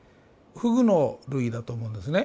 フグの類だと思うんですね。